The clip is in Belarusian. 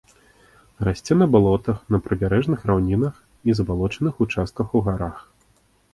Расце на балотах, на прыбярэжных раўнінах і забалочаных участках у гарах.